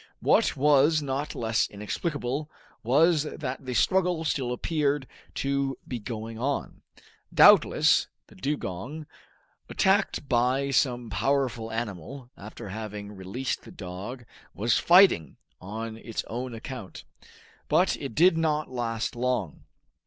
What was not less inexplicable was that the struggle still appeared to be going on. Doubtless, the dugong, attacked by some powerful animal, after having released the dog, was fighting on its own account. But it did not last long.